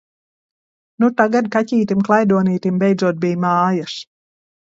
Nu tagad kaķītim klaidonītim beidzot bij mājas!